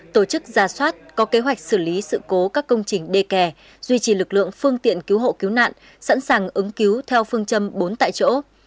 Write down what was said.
tổ chức ra soát có kế hoạch xử lý sự cố các công trình đê kè duy trì lực lượng phương tiện cứu hộ cứu nạn sẵn sàng ứng cứu theo phương châm bốn tại chỗ